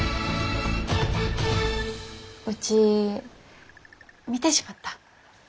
うち見てしまった。